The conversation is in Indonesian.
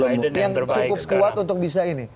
yang cukup kuat untuk bisa ini